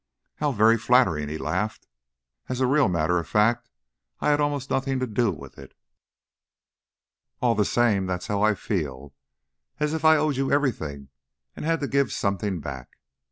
"How very flattering!" he laughed. "As a real matter of fact, I had almost nothing to do with it." "All the same that's how I feel as if I owed you everything and had to give something back.